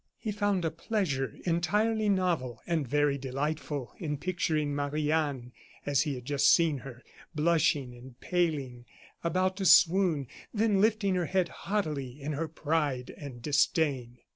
He found a pleasure, entirely novel and very delightful, in picturing Marie Anne as he had just seen her, blushing and paling, about to swoon, then lifting her head haughtily in her pride and disdain.